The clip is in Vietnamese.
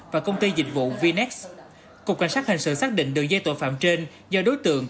và công ty dịch vụ vnex cục cảnh sát hình sự xác định đường dây tội phạm trên do đối tượng